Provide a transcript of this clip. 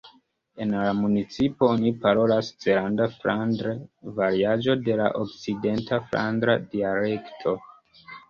En la municipo oni parolas zelanda-flandre, variaĵo de la okcident-flandra dialekto.